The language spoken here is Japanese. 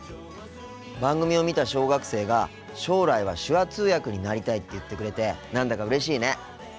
番組を見た小学生が将来は手話通訳になりたいって言ってくれて何だかうれしいね。